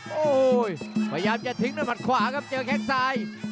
โอ้โหพยายามจะทิ้งด้วยหมัดขวาครับเจอแค่งซ้าย